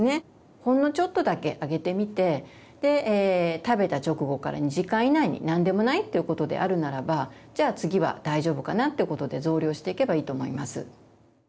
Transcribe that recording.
ほんのちょっとだけあげてみて食べた直後から２時間以内に何でもないということであるならばじゃあ次は大丈夫かなということで増量していけばいいと思います。